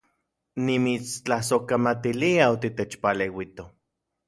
Nimitstlasojkamatilia otitechpaleuito